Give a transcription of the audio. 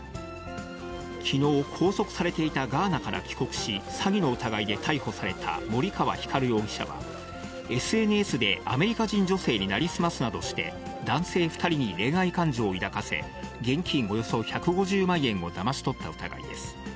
きのう、拘束されていたガーナから帰国し、詐欺の疑いで逮捕された森川光容疑者は、ＳＮＳでアメリカ人女性に成り済ますなどして、男性２人に恋愛感情を抱かせ、現金およそ１５０万円をだまし取った疑いです。